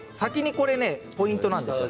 これがポイントなんです。